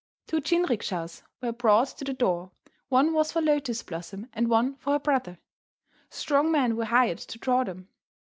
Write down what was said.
Two jinrikishas were brought to the door; one was for Lotus Blossom and one for her brother. Strong men were hired to draw them.